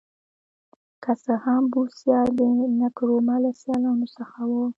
که څه هم بوسیا د نکرومه له سیالانو څخه و.